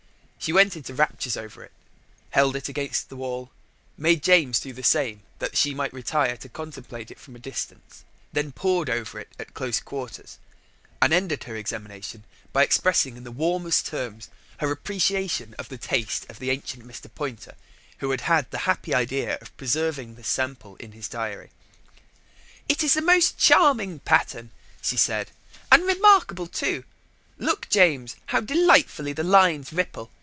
She went into raptures over it, held it against the wall, made James do the same, that she might retire to contemplate it from a distance: then pored over it at close quarters, and ended her examination by expressing in the warmest terms her appreciation of the taste of the ancient Mr. Poynter who had had the happy idea of preserving this sample in his diary. "It is a most charming pattern," she said, "and remarkable too. Look, James, how delightfully the lines ripple.